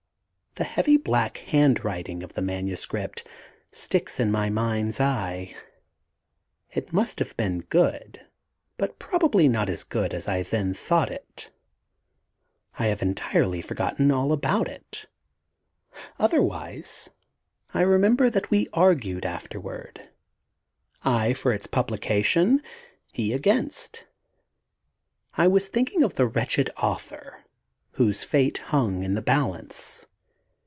The heavy black handwriting of the manuscript sticks in my mind's eye. It must have been good, but probably not so good as I then thought it I have entirely forgotten all about it; otherwise, I remember that we argued afterward: I for its publication; he against. I was thinking of the wretched author whose fate hung in the balance.